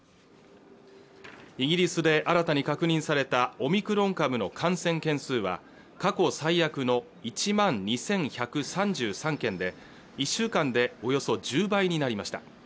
イギリスで新たに確認されたオミクロン株の感染件数は過去最悪の１万２１３３件で１週間でおよそ１０倍になりました